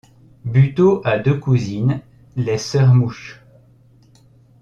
Buteau a deux cousines, les sœurs Mouche.